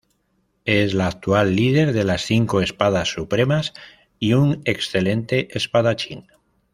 Es la actual líder de las "Cinco Espadas Supremas" y una excelente espadachín.